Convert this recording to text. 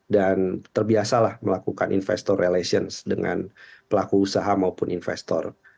dan terbiasalah melakukan investor relations dengan pelaku usaha maupun investor